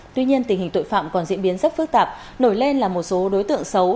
tuy nhiên tình hình tội phạm còn diễn biến rất phức tạp nổi lên là một số đối tượng xấu